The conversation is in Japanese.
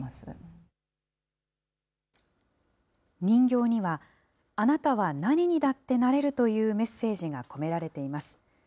人形には、あなたは何にだってなれるというメッセージが込められています。